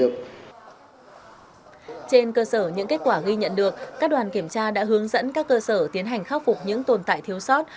trên cơ sở những kết quả ghi nhận được các đoàn kiểm tra đã hướng dẫn các cơ sở tiến hành khắc phục những tồn tại thiếu sót